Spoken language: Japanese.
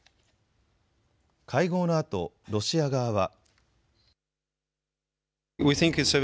会合のあと、ロシア側は。